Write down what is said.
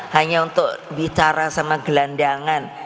hanya untuk bicara sama gelandangan